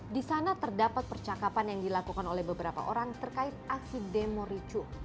di sana terdapat percakapan yang dilakukan oleh beberapa orang terkait aksi demo ricu